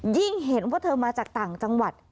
เห็นว่าเธอมาจากต่างจังหวัด